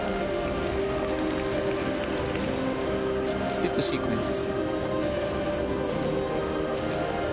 ステップシークエンス。